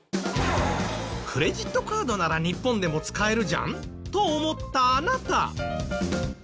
クレジットカードなら日本でも使えるじゃんと思ったあなた。